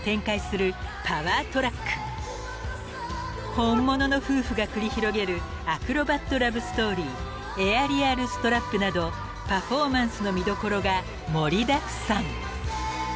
［本物の夫婦が繰り広げるアクロバットラブストーリーエアリアル・ストラップなどパフォーマンスの見どころが盛りだくさん］